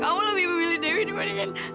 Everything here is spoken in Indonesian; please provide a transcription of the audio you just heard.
kamu lebih memilih dewi dibandingkan